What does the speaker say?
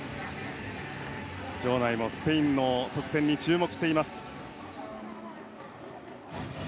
場内もスペインの得点に注目しています。